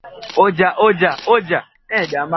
mwenyeji anaweza kumtia moyo mgeni wakati wa mahojiano